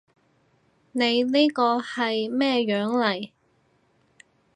你呢個係咩樣嚟？